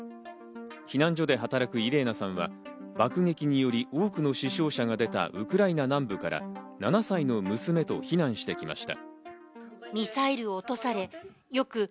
避難所で働くイレーナさんは爆撃により多くの死傷者が出たウクライナ南部から７歳の娘と避難してきました。